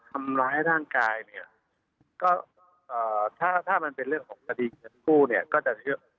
ทำร้ายร่างกายถ้ามันเป็นเรื่องของคดีเงินกู้